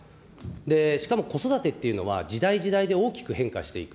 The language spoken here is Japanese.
しかも子育てというのは、時代時代で大きく変化していく。